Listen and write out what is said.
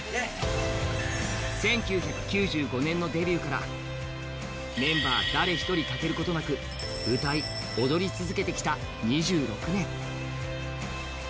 １９９５年のデビューから、メンバー誰一人かけることなく歌い、踊り続けてきた２６年。